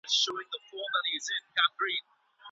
طاووس بې رنګه نه وي.